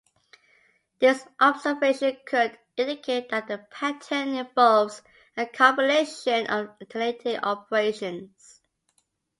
This observation could indicate that the pattern involves a combination of alternating operations.